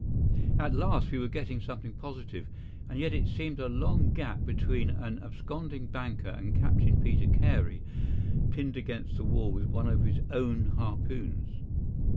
At last we were getting something positive, and yet it seemed a long gap between an absconding banker and Captain Peter Carey pinned against the wall with one of his own harpoons.